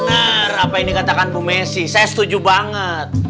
bener apa ini katakan bu messi saya setuju banget